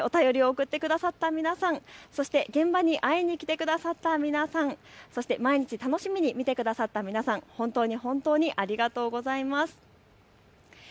お便りを送ってくださった皆さん、そして現場に会いに来てくださった皆さん、そして毎日、楽しみに見てくださった皆さん、本当に本当にありがとうございます。